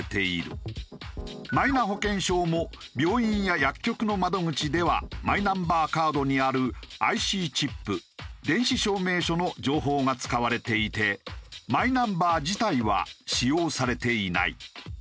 マイナ保険証も病院や薬局の窓口ではマイナンバーカードにあるＩＣチップ電子証明書の情報が使われていてマイナンバー自体は使用されていない。